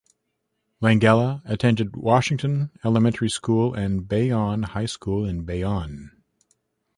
Langella attended Washington Elementary School and Bayonne High School in Bayonne.